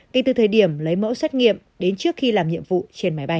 kể từ thời điểm lấy mẫu xét nghiệm đến trước khi làm nhiệm vụ trên máy bay